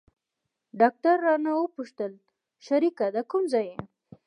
ډاکتر رانه وپوښتل شريکه د کوم ځاى يې.